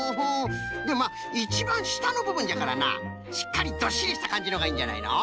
でもまあいちばんしたのぶぶんじゃからなしっかりどっしりしたかんじのほうがいいんじゃないの？